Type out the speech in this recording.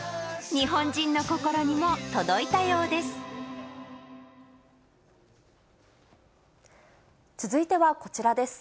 日本人の心にも届いたようです。